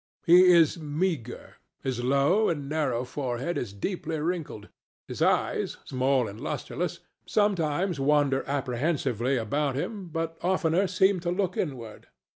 He is meagre; his low and narrow forehead is deeply wrinkled; his eyes, small and lustreless, sometimes wander apprehensively about him, but oftener seem to look inward.